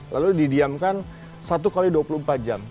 lalu didiamkan satu x dua puluh empat jam